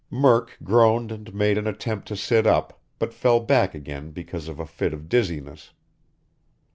Murk groaned and made an attempt to sit up, but fell back again because of a fit of dizziness.